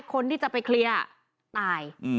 คนที่จะไปเคลียร์ตาย